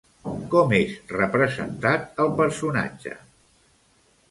Com és representat el personatge?